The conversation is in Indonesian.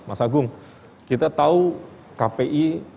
mas agung kita tahu kpi